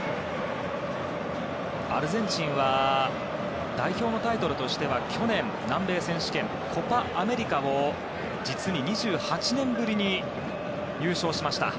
アルゼンチンは代表のタイトルとしては去年、南米選手権コパ・アメリカで実に２８年ぶりに優勝しました。